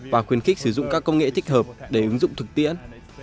và khuyến khích sử dụng các công nghệ thích hợp để ứng dụng thực tiễn